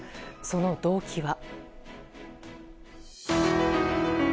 その動機は。